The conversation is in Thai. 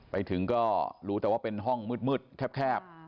ไปถึงก็รู้แต่ว่าเป็นห้องมืดแคบ